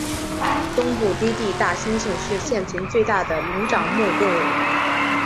东部低地大猩猩是现存最大的灵长目动物。